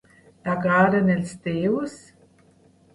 T'agraden els teus...?